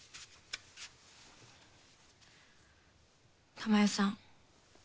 珠世さん